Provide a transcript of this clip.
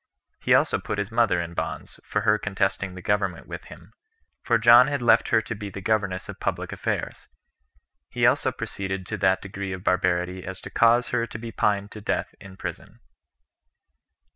He also put his mother in bonds, for her contesting the government with him; for John had left her to be the governess of public affairs. He also proceeded to that degree of barbarity as to cause her to be pined to death in prison.